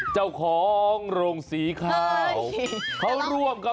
เจ้าของโรงสีข้าว